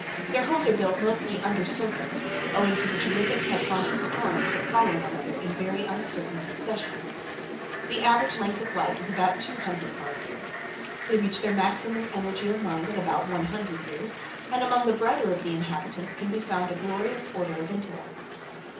Their homes are built mostly under surface, owing to the terrific cyclonic storms that follow one another in very uncertain succession. The average length of life is two hundred of our years. They reach their maximum energy of mind at about one hundred years, and among the brighter of the inhabitants can be found a glorious order of intellect.